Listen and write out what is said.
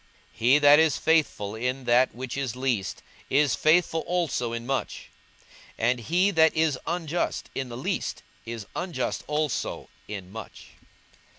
42:016:010 He that is faithful in that which is least is faithful also in much: and he that is unjust in the least is unjust also in much.